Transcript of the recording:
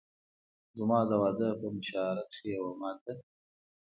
زما د واده په مشاعره کښې يې ما ته